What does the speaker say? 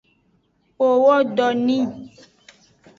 O wo do ni.